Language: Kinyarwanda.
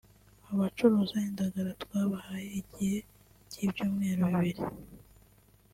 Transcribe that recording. Abacuruza indagara twabahaye igihe cy’ibyumweru bibiri